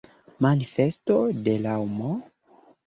Manifesto de Raŭmo?